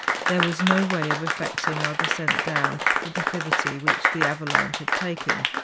There was no way of effecting our descent down tlie declivity which the avalanche had taken.